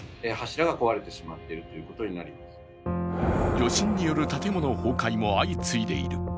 余震による建物崩壊も相次いでいる。